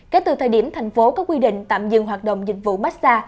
kể từ thời điểm thành phố có quy định tạm dừng hoạt động dịch vụ mát xa